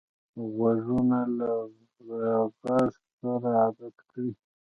غوږونه له عذر سره عادت کړی